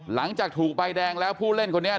หลังจากถูกใบแดงแล้วผู้เล่นคนนี้